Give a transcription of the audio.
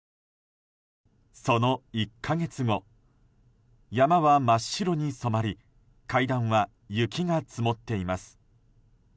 その１か月後山は真っ白に染まり階段は雪が積もっています。